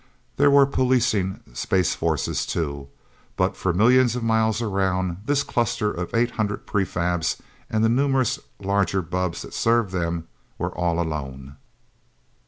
There were policing space forces, too. But for millions of miles around, this cluster of eight hundred prefabs and the numerous larger bubbs that served them, were all alone.